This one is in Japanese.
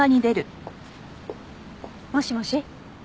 もしもし。